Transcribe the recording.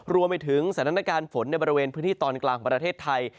รวมไปถึงสถานการณ์ฝนในบริเวณพื้นที่ตอนกลางของประเทศไทย